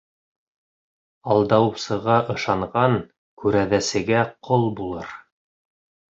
Алдаусыға ышанған күрәҙәсегә ҡол булыр.